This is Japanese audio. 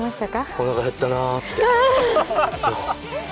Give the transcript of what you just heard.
お腹減ったなって。